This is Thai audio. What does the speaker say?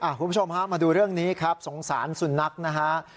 คุณผู้ชมฮะมาดูเรื่องนี้ครับสงสารสุนัขนะฮะ